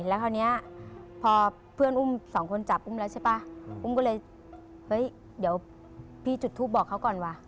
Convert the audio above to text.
แล้วคราวนี้พอเพื่อนอุ้มสองคนจับอุ้มแล้วใช่ป่ะอุ้มก็เลยเฮ้ยเดี๋ยวพี่จุดทูปบอกเขาก่อนว่ะ